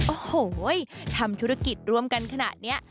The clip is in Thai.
โอ้โหทำธุรกิจร่วมกันขนาดนี้